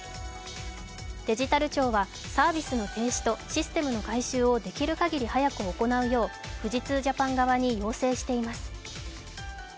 デジタル庁はサービスの停止とシステムの改修をできる限り早く行うよう富士通ジャパン側に要請しています。